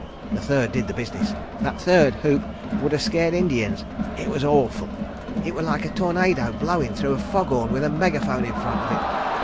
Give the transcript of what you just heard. The third did the business. That third whoop would have scared Indians. It was awful. It was like a tornado blowin' through a fog horn with a megaphone in front of it.